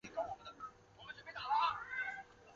随后王承恩也吊死于旁边的海棠树上。